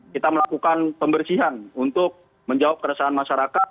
kita melakukan pembersihan untuk menjawab keresahan masyarakat